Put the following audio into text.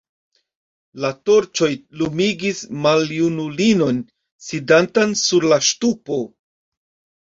La torĉoj lumigis maljunulinon, sidantan sur la ŝtupo.